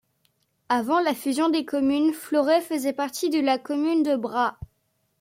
Avant la fusion des communes, Floret faisait partie de la commune de Bra.